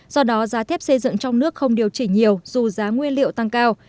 do đó giá thép xây dựng trong nước không điều chỉnh nhiều dù giá nguyên liệu tăng cao